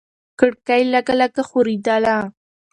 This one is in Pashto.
کړکۍ لږه لږه ښورېدله.